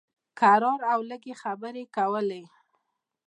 کرار او لږې خبرې یې کولې.